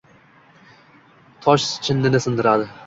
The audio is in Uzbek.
Tosh chinnini sindiradi.